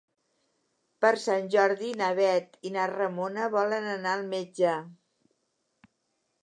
Per Sant Jordi na Bet i na Ramona volen anar al metge.